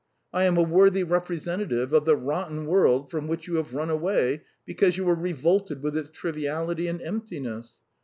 I am a worthy representative of the rotten world from which you have run away because you were revolted with its triviality and emptiness.